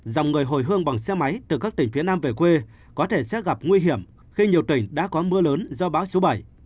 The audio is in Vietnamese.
dòng người hồi hương bằng xe máy từ các tỉnh phía nam về quê có thể sẽ gặp nguy hiểm khi nhiều tỉnh đã có mưa lớn do bão số bảy